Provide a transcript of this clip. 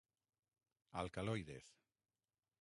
Alcaloides.